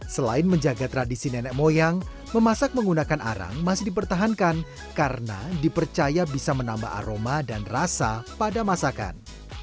selain menjaga tradisi nenek moyang memasak menggunakan arang masih dipertahankan karena dipercaya bisa menambah aroma dan rasa pada masakan